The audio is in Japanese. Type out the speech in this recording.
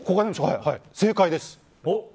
正解です！